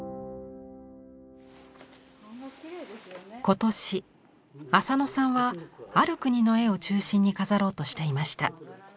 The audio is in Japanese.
今年浅野さんはある国の絵を中心に飾ろうとしていました。